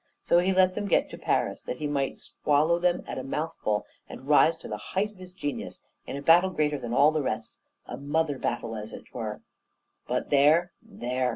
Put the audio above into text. So he let them get to Paris, that he might swallow them at a mouthful, and rise to the height of his genius in a battle greater than all the rest a mother battle, as 'twere. But there, there!